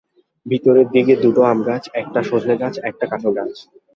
ভেতরের দিকে দুটো আমগাছ, একটা সজনেগাছ, একটা কাঁঠালগাছ।